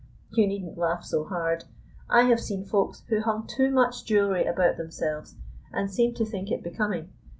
You needn't laugh so hard. I have seen Folks who hung too much jewelry about themselves and seemed to think it becoming.